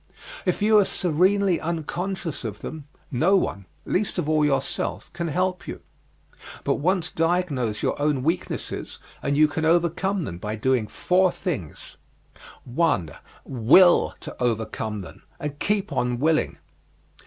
If you are serenely unconscious of them, no one least of all yourself can help you. But once diagnose your own weaknesses, and you can overcome them by doing four things: 1. WILL to overcome them, and keep on willing.